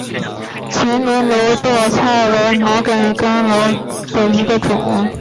秦岭耧斗菜为毛茛科耧斗菜属下的一个种。